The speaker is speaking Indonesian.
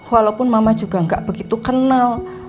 walaupun mama juga nggak begitu kenal